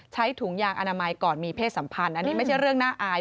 ถุงยางอนามัยก่อนมีเพศสัมพันธ์อันนี้ไม่ใช่เรื่องน่าอาย